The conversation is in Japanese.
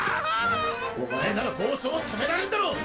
お前なら暴走を止められんだろ！